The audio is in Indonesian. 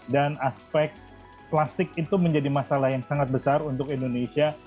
dan aspek plastik itu menjadi masalah yang sangat besar untuk indonesia